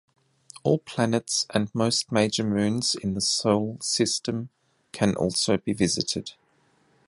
All planets and most major moons in the Sol system can also be visited.